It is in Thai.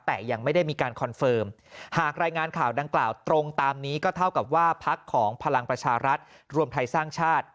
แต่ยังไม่ได้มีการคอนเฟิร์มหากรายงานข่าวดังกล่าวตรงตามนี้ก็เท่ากับว่าพักของพลังประชารัฐรวมไทยสร้างชาติ